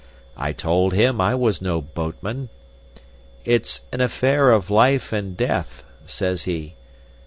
I told him I was no boatman. 'It's an affair of life and death,' says he.